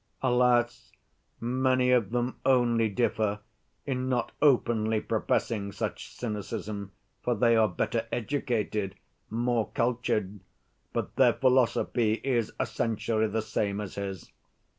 Alas! many of them only differ in not openly professing such cynicism, for they are better educated, more cultured, but their philosophy is essentially the same as his.